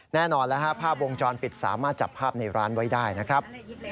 แน่นอนแล้วภาพวงจรปิดสามารถจับภาพในร้านไว้ได้นะครับ